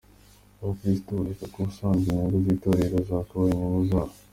Abakirisitu bavuga ko ubusanzwe inyungu z’Itorero zakabaye n’inyungu zabo.